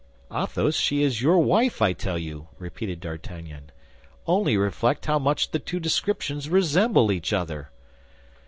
"Athos, she is your wife, I tell you," repeated D'Artagnan; "only reflect how much the two descriptions resemble each other."